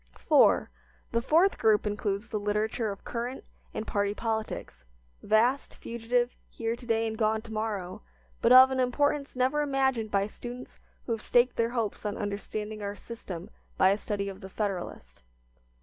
IV. The fourth group includes the literature of current and party politics, vast, fugitive, here to day and gone to morrow, but of an importance never imagined by students who have staked their hopes on understanding our system by a study of "The Federalist."